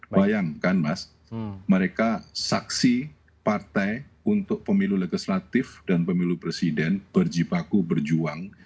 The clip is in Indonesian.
bayangkan mas mereka saksi partai untuk pemilu legislatif dan pemilu presiden berjipaku berjuang